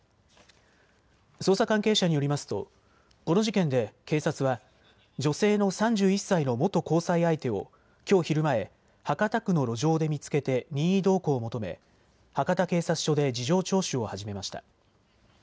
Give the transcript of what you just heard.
捜査関係者によりますとこの事件で警察は女性の３１歳の元交際相手をきょう昼前、博多区の路上で見つけて任意同行を求め博多警察署で事情聴取を始めました。